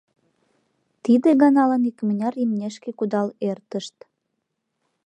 Тиде ганалан икмыняр имнешке кудал эртышт.